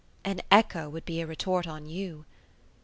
"An echo would be a retort on you!"